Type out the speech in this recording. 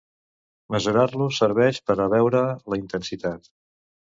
Mesurar-lo serveix per a veure'n la intensitat.